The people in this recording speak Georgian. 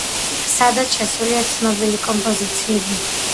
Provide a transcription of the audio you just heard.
სადაც შესულია ცნობილი კომპოზიციები.